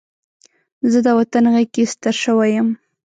زه د وطن غېږ کې ستر شوی یم